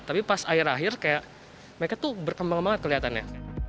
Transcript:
tapi pas akhir akhir kayak mereka tuh berkembang banget kelihatannya